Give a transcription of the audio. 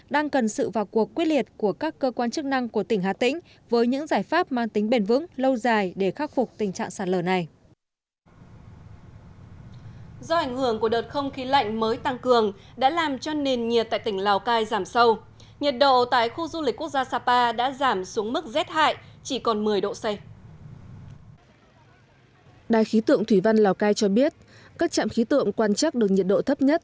đài khí tượng thủy văn lào cai cho biết các trạm khí tượng quan chắc được nhiệt độ thấp nhất